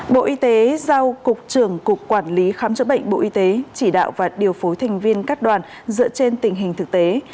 bộ y tế giao cục trưởng cục quản lý khám chữa bệnh bộ y tế chỉ đạo và điều phối thành viên các đoàn dựa trên tình hình thực tế